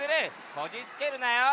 こじつけるなよ！